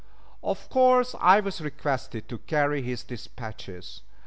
Of course I was requested to carry his dispatches.